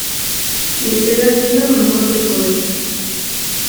Y estoy haciendo lo mejor que puedo